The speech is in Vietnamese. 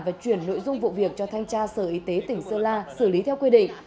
và chuyển nội dung vụ việc cho thanh tra sở y tế tỉnh sơn la xử lý theo quy định